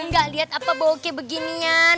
gak liat apa bokeh beginian